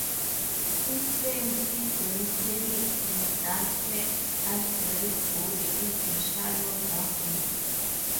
He claimed he then panicked and dumped her unburied body in a shallow ravine.